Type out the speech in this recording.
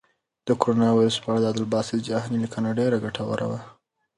د کرونا وېروس په اړه د عبدالباسط جهاني لیکنه ډېره ګټوره وه.